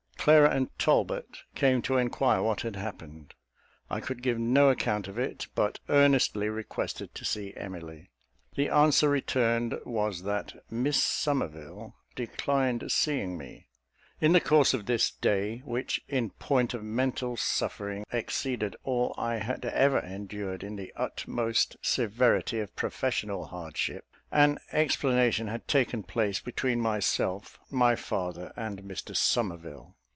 Clara and Talbot came to enquire what had happened. I could give no account of it; but earnestly requested to see Emily. The answer returned was that Miss Somerville declined seeing me. In the course of this day, which, in point of mental suffering, exceeded all I had ever endured in the utmost severity of professional hardship, an explanation had taken place between myself, my father, and Mr Somerville.